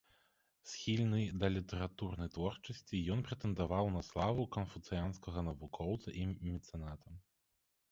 Схільны да літаратурнай творчасці, ён прэтэндаваў на славу канфуцыянскага навукоўца і мецэната.